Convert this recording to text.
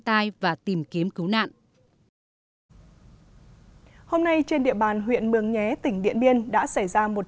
tai và tìm kiếm cứu nạn hôm nay trên địa bàn huyện mường nhé tỉnh điện biên đã xảy ra một